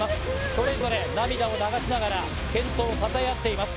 それぞれ涙を流しながら、健闘をたたえ合っています。